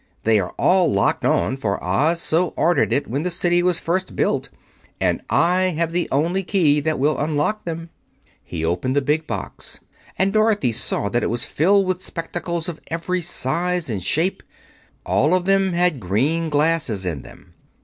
They are all locked on, for Oz so ordered it when the City was first built, and I have the only key that will unlock them." He opened the big box, and Dorothy saw that it was filled with spectacles of every size and shape. All of them had green glasses in them.